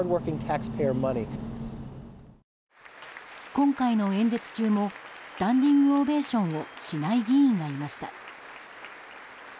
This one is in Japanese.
今回の演説中もスタンディングオベーションをしない議員がいました。